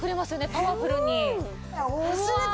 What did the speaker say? パワフルに。